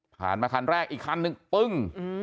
มาคันแรกอีกคันนึงปึ้ง